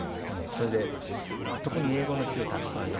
それで特に英語の詩をたくさん読んだんですね。